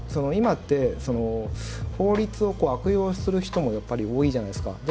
今って法律を悪用する人もやっぱり多いじゃないですか。